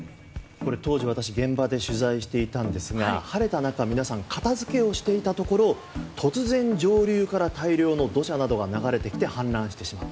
当時、私現場で取材をしていたんですが晴れた中、皆さん片付けをしていたところ突然、上流から大量の土砂が流れてきて氾濫してしまった。